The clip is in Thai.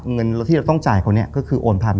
เงินที่เราต้องจ่ายเค้านี่ก็คือ